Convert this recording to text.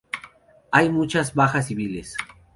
Hay muchas bajas civiles.